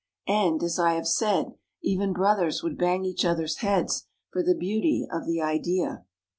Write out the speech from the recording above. And, as I have said, even brothers would bang each other's heads for the beauty of the Idea.